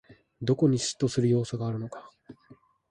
どこに嫉妬する要素があるのか